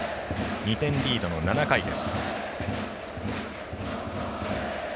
２点リードの７回です。